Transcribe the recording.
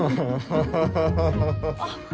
ハハハハ。